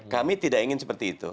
kami tidak ingin seperti itu